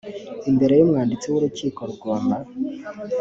imbere y umwanditsi w urukiko rugomba